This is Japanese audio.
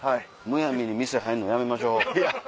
むやみに店入んのやめましょう。